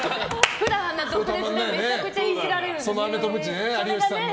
普段、毒舌でめちゃくちゃいじられるんですけど。